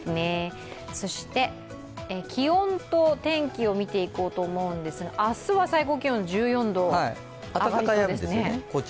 そして、気温と天気をみていこうと思うんですが明日は最高気温１４度、暖かいですね